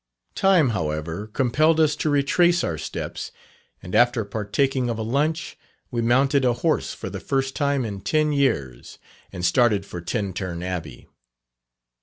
Time, however, compelled us to retrace our steps, and after partaking of a lunch, we mounted a horse for the first time in ten years, and started for Tintern Abbey.